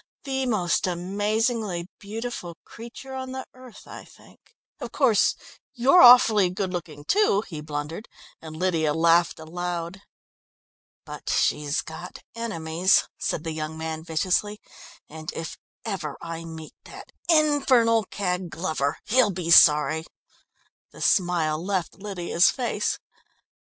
"The most amazingly beautiful creature on the earth, I think." "Of course you're awfully good looking, too," he blundered, and Lydia laughed aloud. "But she's got enemies," said the young man viciously, "and if ever I meet that infernal cad, Glover, he'll be sorry." The smile left Lydia's face.